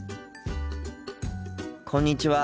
こんにちは。